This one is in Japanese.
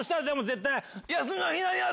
絶対。